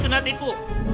saya juga penipu